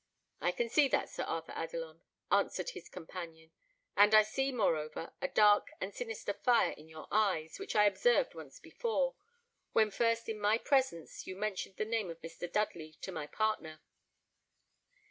"I can see that, Sir Arthur Adelon," answered his companion; "and I see, moreover, a dark and sinister fire in your eyes, which I observed once before, when first in my presence you mentioned the name of Mr. Dudley to my partner.